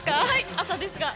朝ですが。